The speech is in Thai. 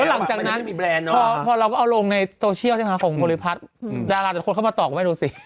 แล้วหลังจากนั้นพอเราก็เอาลงในโซเชียลใช่ไหมครับของโบริพัฒน์ดาราแต่คนเข้ามาตอบไว้ดูสิ